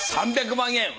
３００万円！